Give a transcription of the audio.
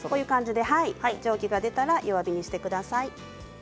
蒸気が出たら弱火にしてください。